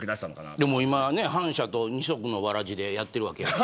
でも、今ね反社と二足のわらじでやってるわけやから。